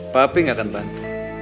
papi gak akan bantu